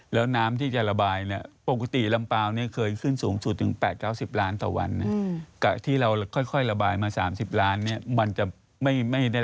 แล้วน้ำที่จะระบายเนี่ยปกติลำเปล่าเนี่ยเคยขึ้นสูงสุดถึงแปะเก้าสิบล้านต่อวัน